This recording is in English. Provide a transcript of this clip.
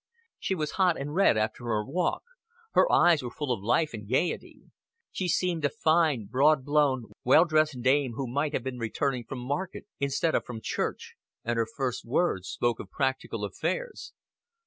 She was hot and red after her walk; her eyes were full of life and gaiety; she seemed a fine, broad blown, well dressed dame who might have been returning from market instead of from church, and her first words spoke of practical affairs.